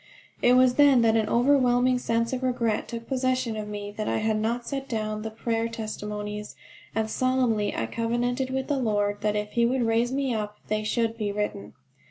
It was then that an overwhelming sense of regret took possession of me that I had not set down the prayer testimonies, and solemnly I covenanted with the Lord that if he would raise me up they should be written.